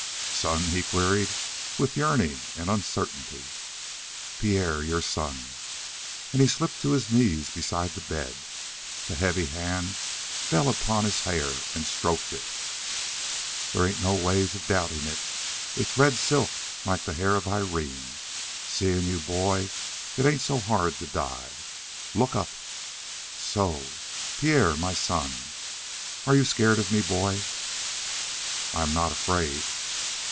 "Son?" he queried with yearning and uncertainty. "Pierre, your son." And he slipped to his knees beside the bed. The heavy hand fell upon his hair and stroked it. "There ain't no ways of doubting it. It's red silk, like the hair of Irene. Seein' you, boy, it ain't so hard to die. Look up! So! Pierre, my son! Are you scared of me, boy?" "I'm not afraid."